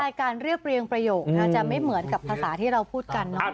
ใช่การเลือกเลี่ยงประโยคจะไม่เหมือนกับภาษาที่เราพูดกันนะครับ